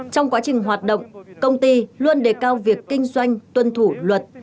trong quá trình hoạt động công ty luôn đề cao việc kinh doanh tuân thủ luật